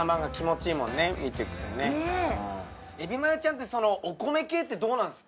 ちゃんってお米系ってどうなんすか？